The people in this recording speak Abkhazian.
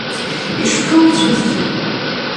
Ишԥауцәызӡари?